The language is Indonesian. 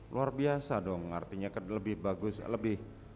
luar biasa dong artinya lebih bagus lebih